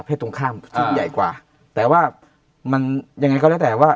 ตรงข้ามทีมใหญ่กว่าแต่ว่ามันยังไงก็แล้วแต่ว่า